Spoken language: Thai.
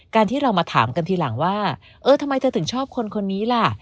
ที่เรามาถามกันทีหลังว่าเออทำไมเธอถึงชอบคนคนนี้ล่ะ